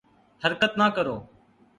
حرکت نہ کرو